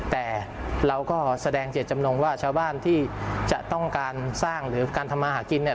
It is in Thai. แต่เราก็แสดงเจตจำนงว่าชาวบ้านที่จะต้องการสร้างหรือการทำมาหากินเนี่ย